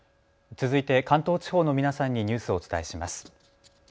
続いて関東地方の皆さんにニュースをお伝えします。